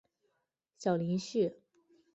小林旭。